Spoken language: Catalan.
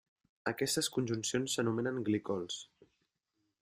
Aquestes conjuncions s'anomenen glicols.